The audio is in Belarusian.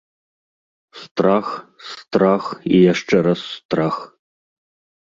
Страх, страх і яшчэ раз страх.